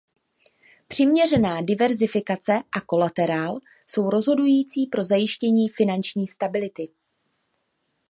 Přiměřená diverzifikace a kolaterál jsou rozhodující pro zajištění finanční stability.